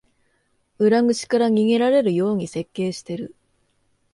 裏口から逃げられるように設計してる